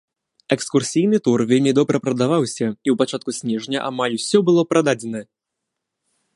Экскурсійны тур вельмі добра прадаваўся, і ў пачатку снежня амаль усё было прададзена.